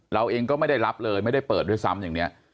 เราเองก็ไม่ได้รับเลยไม่ได้เปิดด้วยซ้ำอย่างนี้